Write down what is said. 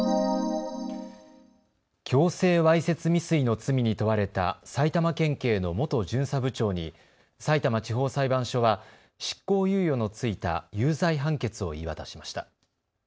強制わいせつ未遂の罪に問われた埼玉県警の元巡査部長にさいたま地方裁判所は執行猶予の付いた有罪判決を言い渡しました。